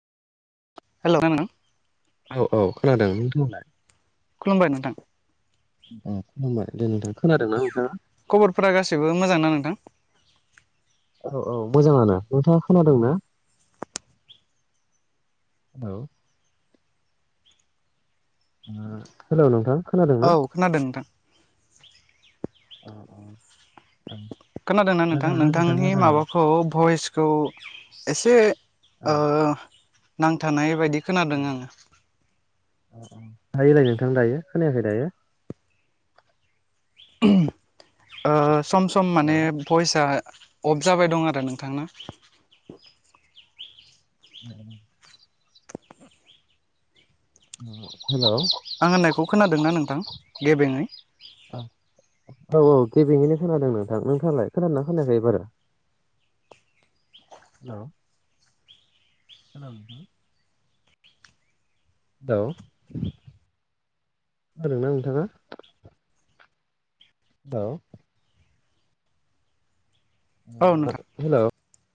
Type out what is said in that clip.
Hello ना औ औ खोनादों नोंथांयालाय? खुलुमबाय नोंथां अ खुलुमबाय दे नोंथां खोनादों ना नोंथाङा? खबरफोरा गासैबो मोजां ना नोंथां? औ औ मोजाङानो नोंथाङा खोनादों ना? हेलौ हेलौ नोंथां खोनादों औ ना? खोनादों नोंथां? अ अ खोनादोंना नोंथां नोंथांनि माबाखौ भइसखौ एसे औ ओ नांथानाय बायदि औ खोनादों आङो दायोलाय नोंथां दायो खोनायाखै दायो? ओ सम सम माने हेल' भइसआ अफ जाबाय दं आरो नोंथांना हेलौ आं होननायखौ खोनादों ना नोंथां गेबेङै औ औ गेबेङैनो खोनादों नोंथां नोंथाङालाय खोना खोनाखायो एबारो हेलौ [inaudible] हेलौ खोनादोंना नोंथाङा? औ औ नोंथां हेलौ